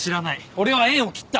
俺は縁を切った。